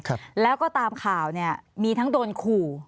ครับแล้วก็ตามข่าวเนี้ยมีทั้งโดนขู่